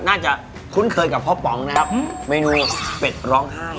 คุ้นเคยกับพ่อป๋องนะครับเมนูเป็ดร้องไห้